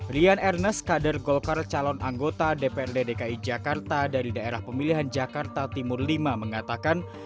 rian ernest kader golkar calon anggota dprd dki jakarta dari daerah pemilihan jakarta timur v mengatakan